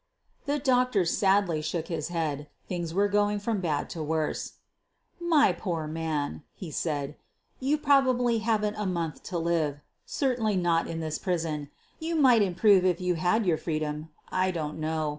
The doctor sadly shook his head. Things were going from bad to worse. "My poor man," he said, "you probably haven't & month to live — certainly not in this prison. You might improve if you had your freedom; I don't know.